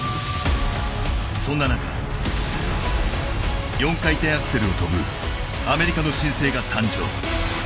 そんな中４回転アクセルを跳ぶアメリカの新星が誕生。